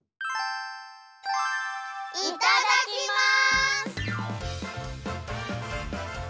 いただきます！